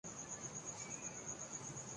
جو نفس تھا خار گلو بنا جو اٹھے تھے ہاتھ لہو ہوئے